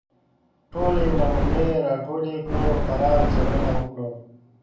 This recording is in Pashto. ټولې نمونې راټولې کړو پراخه څېړنه وکړو